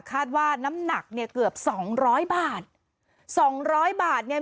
คาดว่าน้ำหนักเนี่ยเกือบสองร้อยบาทสองร้อยบาทเนี่ย